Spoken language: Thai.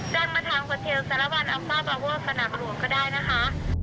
โดยมาทำกับเทียร์สารวาลอฟมะประววษฎรกฮได้นะคะ